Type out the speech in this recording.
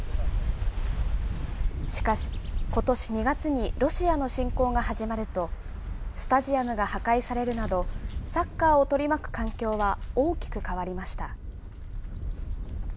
しかし、ことし２月にロシアの侵攻が始まると、スタジアムが破壊されるなど、サッカーを取り巻く環境は大きく変わりました。